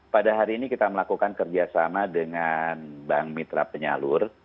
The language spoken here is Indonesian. pada hari ini kita melakukan kerjasama dengan bank mitra penyalur